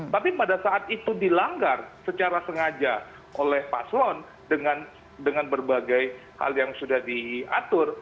tapi pada saat itu dilanggar secara sengaja oleh paslon dengan berbagai hal yang sudah diatur